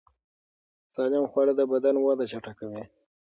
سالم خواړه د بدن وده چټکوي.